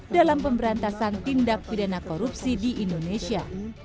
dalam pemberantasan tindak pidana korupsi di indonesia